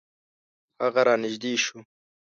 هغه را نژدې شو .